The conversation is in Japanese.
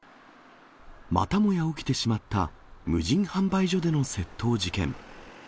またもや起きてしまった、無人販売所での窃盗事件。